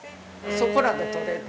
そこらで採れる。